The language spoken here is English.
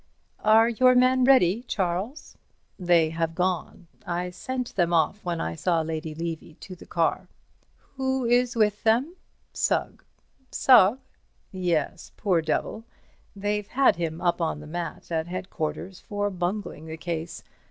"Are your men ready, Charles?" "They have gone. I sent them off when I saw Lady Levy to the car." "Who is with them?" "Sugg." "Sugg?" "Yes—poor devil. They've had him up on the mat at headquarters for bungling the case.